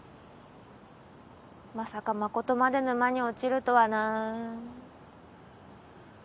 まさか誠まで沼に落ちるとはな。